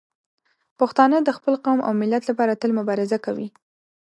پښتانه د خپل قوم او ملت لپاره تل مبارزه کوي.